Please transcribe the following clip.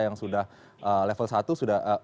yang sudah level satu sudah